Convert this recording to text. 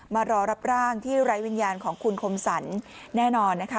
มารอรับร่างที่ไร้วิญญาณของคุณคมสรรแน่นอนนะคะ